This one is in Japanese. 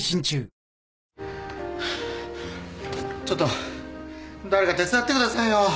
ちょっと誰か手伝ってくださいよ。